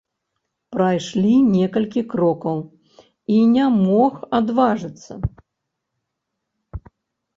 Прайшлі некалькі крокаў, і не мог адважыцца.